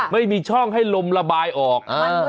ไม่มีช่องให้ลมระบายออก